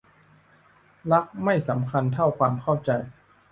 รักไม่สำคัญเท่าความเข้าใจ